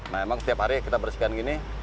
nah emang setiap hari kita bersihkan gini